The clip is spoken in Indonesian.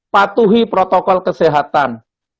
patuhi protokol kesehatan